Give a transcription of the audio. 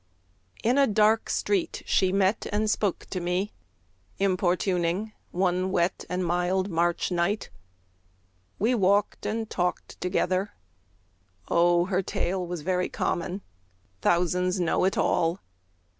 In a dark street she met and spoke to me, Importuning, one wet and mild March night. We walked and talked together. O her tale Was very common; thousands know it all!